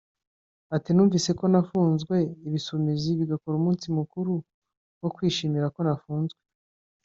ati “Numvise ko nafunzwe Ibisumizi bigakora umunsi mukuru wo kwishimira ko nafunzwe